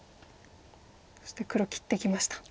そして黒切ってきました。